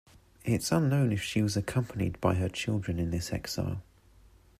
It's unknown if she was accompanied by her children in this exile.